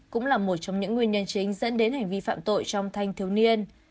cũng là một trong những nguyên nhân chính dẫn đến hành vi phạm tội trong thanh thiếu niên